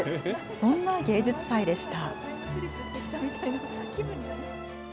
そんな芸術祭でした。